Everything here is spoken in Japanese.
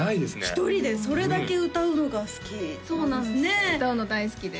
１人でそれだけ歌うのが好きなんですね歌うの大好きです